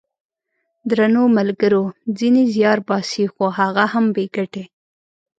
درنو ملګرو ! ځینې زیار باسي خو هغه هم بې ګټې!